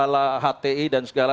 masalah hti dan segala